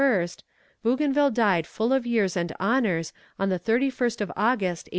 Bougainville died full of years and honours, on the 31st of August, 1811.